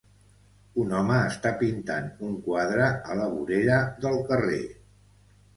Un home està pintant un quadre a la vorera del carrer.